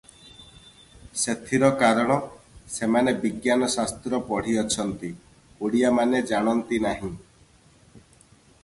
ସେଥିର କାରଣ, ସେମାନେ ବିଜ୍ଞାନ ଶାସ୍ତ୍ର ପଢ଼ିଅଛନ୍ତି; ଓଡ଼ିଆ ମାନେ ଜାଣନ୍ତି ନାହିଁ ।